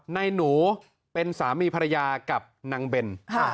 ในหนูเป็นสามีภรรยากับนางเบน